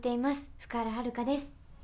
福原遥です。